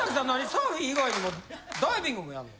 サーフィン以外にもダイビングもやんの？